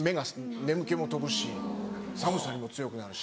眠気も飛ぶし寒さにも強くなるし。